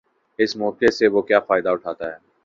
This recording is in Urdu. اس موقع سے وہ کیا فائدہ اٹھاتا ہے۔